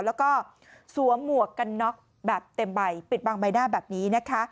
แล้วก็สวมหมวกกันน็อกแบบเต็มใบปิดบางใบหน้าแบบนี้นะคะ